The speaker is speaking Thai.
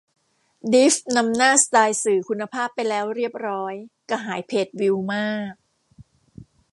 ดริฟต์นำหน้าสไตล์สื่อคุณภาพไปแล้วเรียบร้อย กระหายเพจวิวมาก